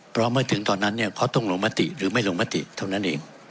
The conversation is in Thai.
เพราะเมื่อถึงตอนนั้นเนี่ยเขาต้องลงมติหรือไม่ลงมติเท่านั้นเอง